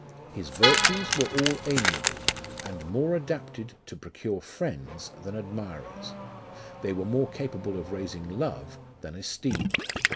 His virtues were all amiable, and more adapted to procure friends than admirers ; they were more capable of raising love than esteem.